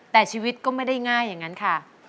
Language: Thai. แต่ชีวิตก็ไม่ได้ง่ายอย่างนั้นค่ะ